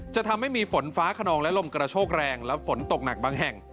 จะทำให้มีฝนฟ้าขนองและลมกระโชกแรงและฝนตกหนักบางแห่ง